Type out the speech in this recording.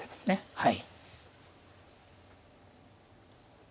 はい。